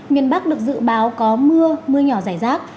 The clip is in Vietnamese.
miền bắc được dự báo có mưa mưa nhỏ rải rác